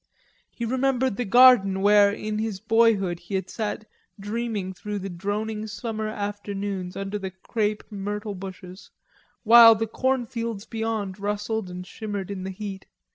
He renumbered the garden where, in his boyhood, he had sat dreaming through the droning summer afternoons under the crepe myrtle bushes, while the cornfields beyond rustled and shimmered in the heat.